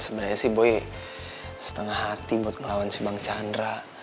sebenarnya sih boy setengah hati buat ngelawan si bang chandra